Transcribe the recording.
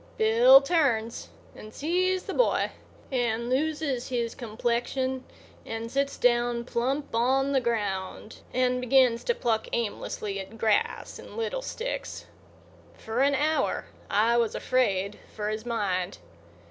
Bill turns and sees the boy, and loses his complexion and sits down plump on the round and begins to pluck aimlessly at grass and little sticks. For an hour I was afraid for his mind.